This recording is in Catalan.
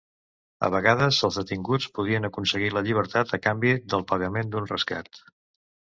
A vegades els detinguts podien aconseguir la llibertat a canvi del pagament d'un rescat.